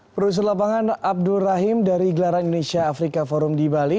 produser lapangan abdul rahim dari gelaran indonesia afrika forum di bali